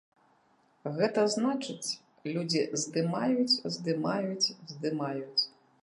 Гэта значыць, людзі здымаюць, здымаюць, здымаюць.